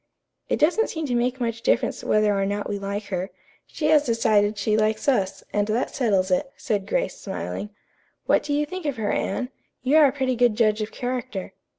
"It doesn't seem to make much difference whether or not we like her. She has decided she likes us, and that settles it," said Grace, smiling. "What do you think of her, Anne? You are a pretty good judge of character."